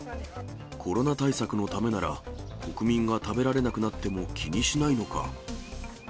コロナ対策のためなら、国民が食べられなくなっても気にしないのか。